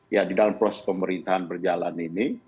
ya di dalam proses pemerintahan berjalan ini